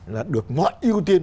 là được mọi ưu tiên